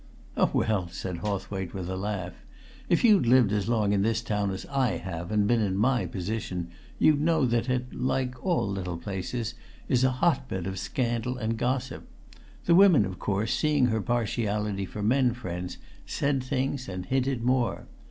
"Oh, well!" said Hawthwaite, with a laugh. "If you'd lived as long in this town as I have, and been in my position, you'd know that it like all little places is a hotbed of scandal and gossip. The women, of course, seeing her partiality for men friends, said things and hinted more.